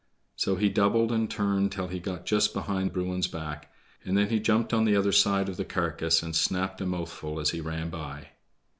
So he doubled and turned till he got just behind Bruin's back, and then he jumped on the other side of the carcass and snapped a mouthful as he ran by.